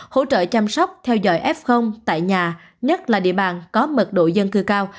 hỗ trợ chăm sóc theo dõi f tại nhà nhất là địa bàn có mật độ dân cư cao